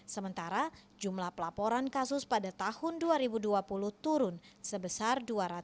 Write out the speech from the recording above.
sementara jumlah pelaporan kasus pada tahun dua ribu dua puluh turun sebesar dua ratus sembilan puluh sembilan sembilan ratus sebelas